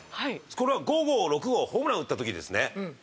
これは、５号、６号ホームラン打った時ですね。